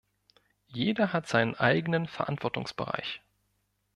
Jeder hat seinen eigenen Verantwortungsbereich.